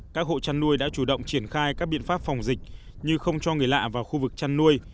các hộ chăn nuôi đã chủ động triển khai các biện pháp phòng dịch như không cho người lạ vào khu vực chăn nuôi